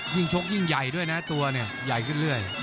วิ่งชกยิ่งใหญ่ด้วยนะตัวเนี่ยใหญ่ขึ้นเลย